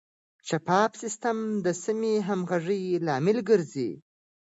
شفاف سیستم د سمې همغږۍ لامل ګرځي.